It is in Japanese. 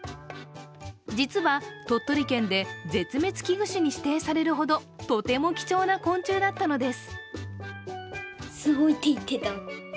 実は鳥取県で絶滅危惧種に指定されるほどとても貴重な昆虫だったのです。